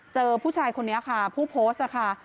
เจอผู้ชายคนนี้ค่ะผู้โพสต์ค่ะ